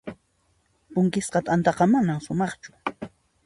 Punkisqa t'antaqa manan sumaqchu.